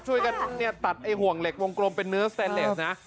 ช่วยกันเนี่ยตัดไอ้ห่วงเหล็กวงกลมเป็นเนื้อสแตนเลสนะ